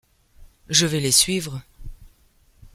Je vais les suivre. ..